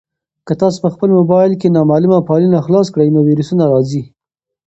که تاسي په خپل موبایل کې نامعلومه فایلونه خلاص کړئ نو ویروس راځي.